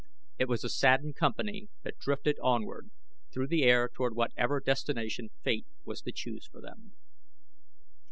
It was a saddened company that drifted onward through the air toward whatever destination Fate was to choose for them.